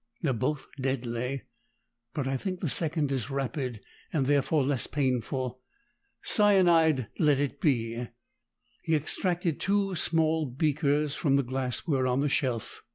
They're both deadly, but I think the second is rapid, and therefore less painful. Cyanide let it be!" He extracted two small beakers from the glassware on the shelf.